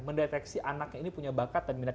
mendeteksi anaknya ini punya bakat dan minat